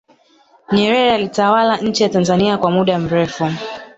nyerere alitawala nchi ya tanzania kwa muda mrefu